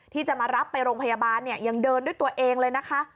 ที่จะมารับไปโรงพยาบาลเนี่ยยังเดินด้วยตัวเองเลยนะคะ